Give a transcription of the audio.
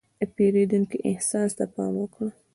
د پیرودونکي احساس ته پام وکړه.